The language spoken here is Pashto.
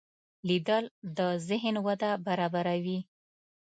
لیدل د ذهن وده برابروي